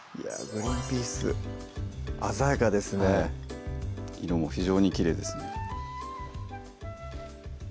グリンピース鮮やかですね色も非常にきれいですね